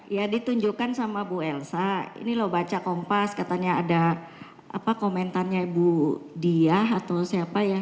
ya ditunjukkan sama bu elsa ini loh baca kompas katanya ada komentarnya ibu dia atau siapa ya